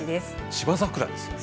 芝桜ですね。